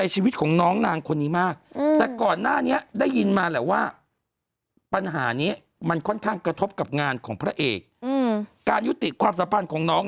จากกล้องได้ยินหมดเลยยกมือหมดเลย๓คน